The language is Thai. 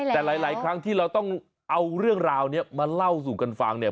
แต่หลายครั้งที่เราต้องเอาเรื่องราวนี้มาเล่าสู่กันฟังเนี่ย